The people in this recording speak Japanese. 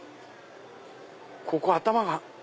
ここ頭が。